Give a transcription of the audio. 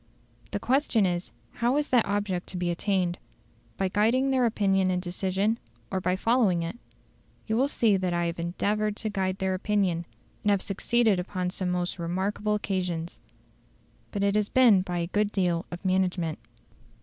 The question is, how is that object to be attained? By guiding their opinion and decision, or by following it? You will see that I have endeavoured to guide their opinion, and have succeeded upon some most remarkable occasions. But it has been by a good deal of management.